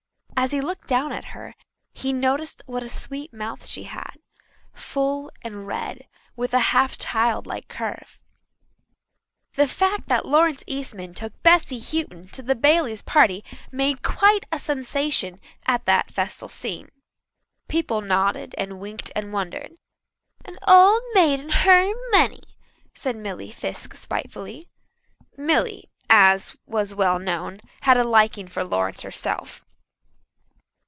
As he looked down at her he noticed what a sweet mouth she had full and red, with a half child like curve. The fact that Lawrence Eastman took Bessy Houghton to the Baileys' party made quite a sensation at that festal scene. People nodded and winked and wondered. "An old maid and her money," said Milly Fiske spitefully. Milly, as was well known, had a liking for Lawrence herself.